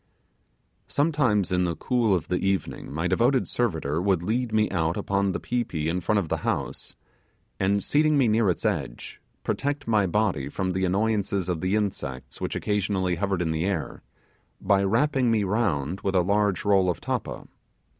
Sometimes in the cool of the evening my devoted servitor would lead me out upon the pi pi in front of the house, and seating me near its edge, protect my body from the annoyance of the insects which occasionally hovered in the air, by wrapping me round with a large roll of tappa.